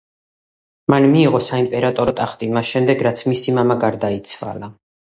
მან მიიღო საიმპერატორო ტახტი მას შემდეგ რაც მისი მამა გარდაიცვალა.